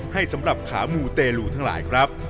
ให้สำหรับขามูเตลูทั้งหลายครับ